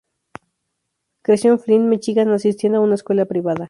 Creció en Flint, Míchigan, asistiendo a una escuela privada.